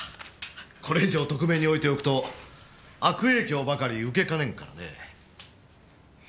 これ以上特命に置いておくと悪影響ばかり受けかねんからねえ。